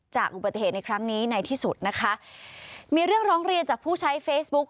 จากอุบัติเหตุในครั้งนี้ในที่สุดนะคะมีเรื่องร้องเรียนจากผู้ใช้เฟซบุ๊ก